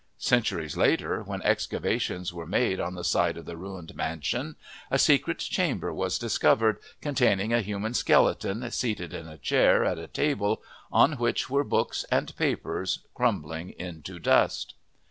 Centuries later, when excavations were made on the site of the ruined mansion, a secret chamber was discovered, containing a human skeleton seated in a chair at a table, on which were books and papers crumbling into dust.